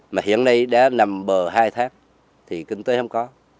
mà hiện nay đã nằm bờ hai tháp thì kinh tế không có